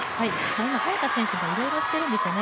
今、早田選手はいろいろ、しているんですよね。